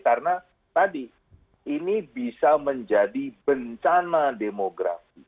karena tadi ini bisa menjadi bencana demografi